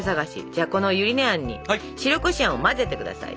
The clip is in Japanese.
じゃあこのゆり根あんに白こしあんを混ぜてください。